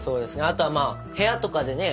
あとはまあ部屋とかでね